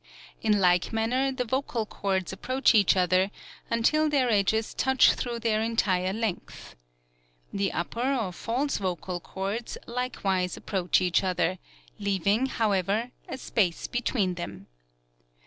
In like manner the vocal cords approach each other until their edges touch through their entire length. The upper or false vocal cords likewise approach each other, leaving, however, a space be tween them.